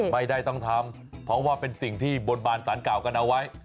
ไม่ได้ต้องทำเพราะว่าเป็นสิ่งที่บนบานสารเก่ากันเอาไว้